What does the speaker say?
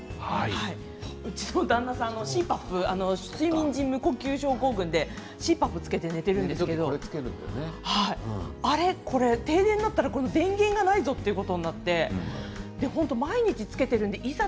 うちの旦那さんが睡眠時無呼吸症候群で機械をつけて寝ているんですけどこれは停電になったら電源がないぞということになって毎日つけているのでいざ